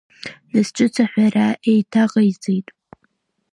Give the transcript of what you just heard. Нас ҿыц аҳәара еиҭа ҟаиҵеит…